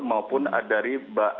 maupun dari arah